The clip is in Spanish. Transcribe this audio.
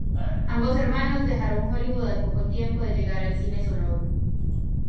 Ambos hermanos dejaron Hollywood al poco tiempo de llegar el cine sonoro.